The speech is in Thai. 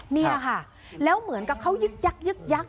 นี่แหละค่ะแล้วเหมือนกับเขายึก